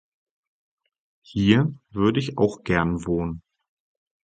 Hier würde ich auch gern wohnen.